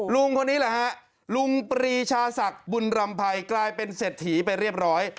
ลุงคนนี้แหละฮะลุงปรีชาศักดิ์บุญรำภัยกลายเป็นเศรษฐีไปเรียบร้อย